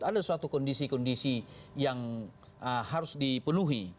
ada suatu kondisi kondisi yang harus dipenuhi